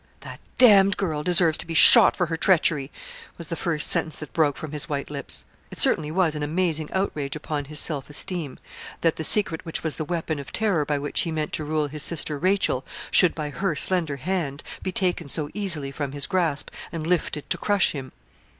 'That d d girl deserves to be shot for her treachery,' was the first sentence that broke from his white lips. It certainly was an amazing outrage upon his self esteem, that the secret which was the weapon of terror by which he meant to rule his sister Rachel, should, by her slender hand, be taken so easily from his grasp, and lifted to crush him.